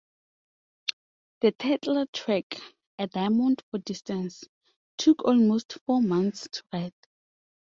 The title track, "A Diamond for Disease", took almost four months to write.